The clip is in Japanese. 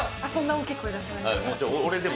そんな大きい声出さないで。